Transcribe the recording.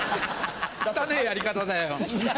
汚ねぇやり方だよ。